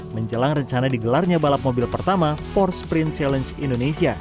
menjelang rencana digelarnya balap mobil pertama for sprint challenge indonesia